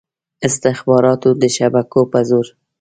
استخباراتو د شبکو په زور.